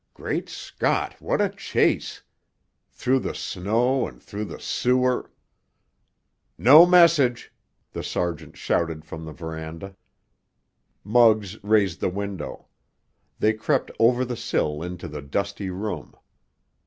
Great Scott, what a chase! Through the snow and through the sewer——" "No message!" the sergeant shouted from the veranda. Muggs raised the window. They crept over the sill into the dusty room.